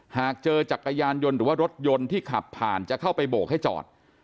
หากเจอจักรยานยนต์หรือว่ารถยนต์ที่ขับผ่านจะเข้าไปโบกให้จอด